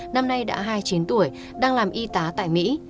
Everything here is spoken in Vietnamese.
năm nay đã hai mươi chín tuổi đang làm y tá tại mỹ